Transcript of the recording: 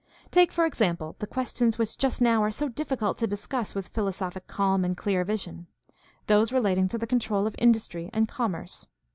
Take for example the questions which just now are so diffi cult to discuss with philosophic calm and clear vision: those relating to the control of industry and commerce.